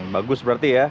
bagus berarti ya